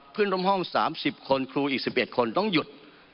เพื่อนร่วมห้อง๓๐คนครูอีก๑๑คนต้องหยุด